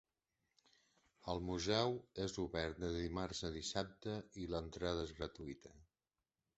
El museu és obert de dimarts a dissabte i l'entrada és gratuïta.